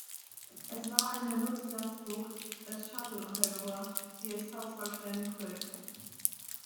Es war in der Nutzlastbucht des Shuttle untergebracht, die es fast vollständig füllte.